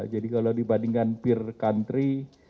jadi kalau dibandingkan peer country